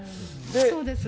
そうです。